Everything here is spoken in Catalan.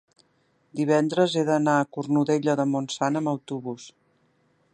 divendres he d'anar a Cornudella de Montsant amb autobús.